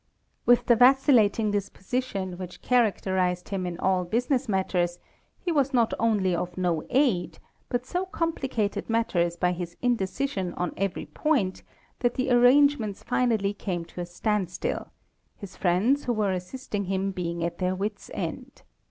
With the vacillating disposition which characterized him in all business matters, he was not only of no aid, but so complicated matters by his indecision on every point, that the arrangements finally came to a standstill, his friends who were assisting him being at their wits' end.